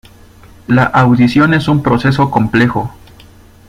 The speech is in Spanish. La audición es un proceso complejo.